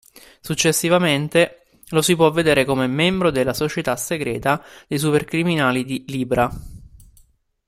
Successivamente, lo si può vedere come membro della Società segreta dei supercriminali di Libra.